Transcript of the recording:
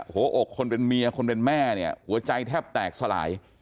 หัวอกคนเป็นเมียคนเป็นแม่เนี่ยหัวใจแทบแตกสลาย